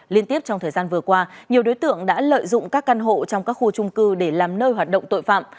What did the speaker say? liên tiếp trong thời gian vừa qua nhiều đối tượng đã lợi dụng các căn hộ trong các khu trung cư để làm nơi hoạt động tội phạm